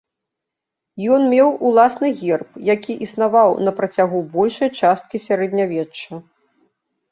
Ён меў уласны герб, які існаваў на працягу большай часткі сярэднявечча.